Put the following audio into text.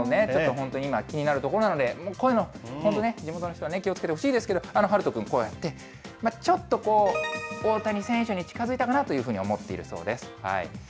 こういうのね、本当、今、気になるところなんで、もうこういうの本当ね、地元の人ね、気をつけてほしいですけど、遥斗君、こうやって、ちょっとこう、大谷選手に近づいたかなというふうに思っているそうです。